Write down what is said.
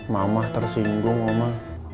mama tersinggung oma